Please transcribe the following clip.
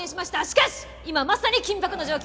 しかし今まさに緊迫の状況！